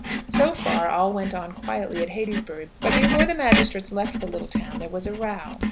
So far all went on quietly at Heytesbury; but before the magistrates left the little town there was a row.